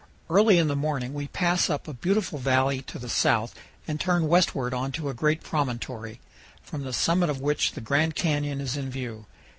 Early in the morning we pass up a beautiful valley to the south and turn westward onto a great promontory, from the summit of which the Grand Canyon is in view.